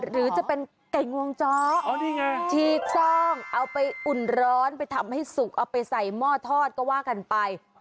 หรือจะเป็นไก่งวงจ้อนี่ไงฉีกซ่องเอาไปอุ่นร้อนไปทำให้สุกเอาไปใส่หม้อทอดก็ว่ากันไป